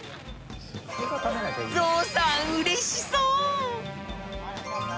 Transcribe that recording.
ゾウさんうれしそう。